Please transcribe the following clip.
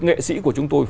nghệ sĩ của chúng tôi